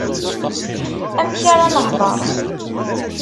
Amek ara nehdeṛ?